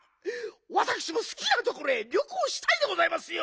わたくしもすきなところへりょこうしたいでございますよ。